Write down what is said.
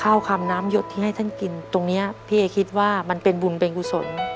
คำน้ำหยดที่ให้ท่านกินตรงนี้พี่เอคิดว่ามันเป็นบุญเป็นกุศล